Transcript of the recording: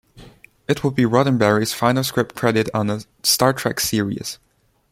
It would be Roddenberry's final script credit on a "Star Trek" series.